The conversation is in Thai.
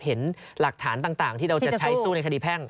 เห็นหลักฐานต่างที่เราจะใช้สู้ในคดีแพ่ง